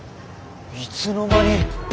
いつの間に？